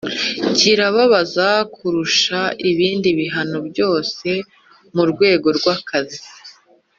Kirababaza kuruta ibindi bihano byose mu rwego rw’akazi